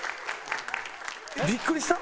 ビックリした。